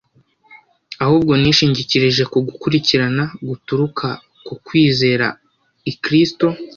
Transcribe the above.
ahubwo nishingikirije ku gukiranuka guturuka ku kwizera i kristo